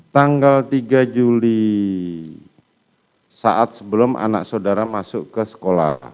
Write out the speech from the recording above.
tanggal tiga juli saat sebelum anak saudara masuk ke sekolah